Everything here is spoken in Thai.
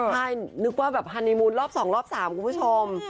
ใช่นึกว่าแบบฮานีมูลรอบ๒รอบ๓คุณผู้ชม